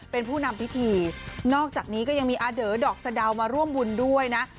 เป็นผู้นำพิธีนอกจากนี้ก็ยังมีอาเด๋อดอกสะดาวมาร่วมบุญด้วยนะ